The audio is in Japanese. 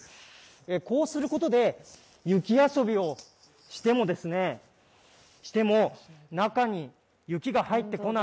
こうすることで雪遊びをしても中に雪が入ってこない。